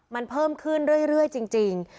มันเพิ่มขึ้นเรื่อยจริง